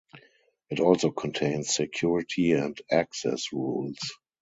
It also contains security and access rules.